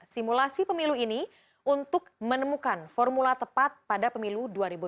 simulasi pemilu ini untuk menemukan formula tepat pada pemilu dua ribu dua puluh